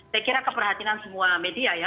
saya kira keperhatian semua media ya